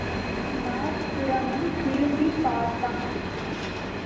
நாற்புறமும் திரும்பிப் பார்த்தான்.